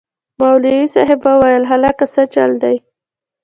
مولوي صاحب وويل هلکه سه چل دې.